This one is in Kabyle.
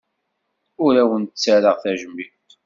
Ur awent-ttarraɣ tajmilt.